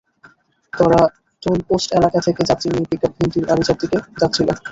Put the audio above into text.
তরা টোলপোস্ট এলাকা থেকে যাত্রী নিয়ে পিকআপ ভ্যানটি আরিচার দিকে যাচ্ছিল।